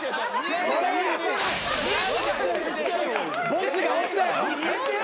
ボスがおったやろ。